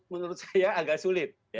menurut saya agak sulit